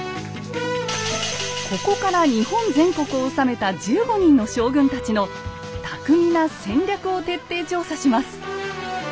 ここから日本全国を治めた１５人の将軍たちの巧みな戦略を徹底調査します。